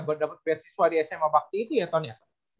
berdapat versi suari sma bakti itu ya ton ya